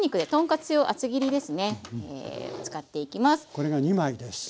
これが２枚です。